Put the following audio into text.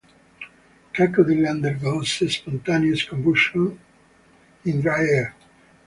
Cacodyl undergoes spontaneous combustion in dry air.